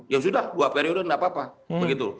ya sudah dua periode tidak apa apa begitu